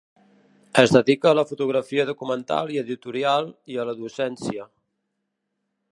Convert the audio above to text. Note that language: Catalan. Es dedica a la fotografia documental i editorial, i a la docència.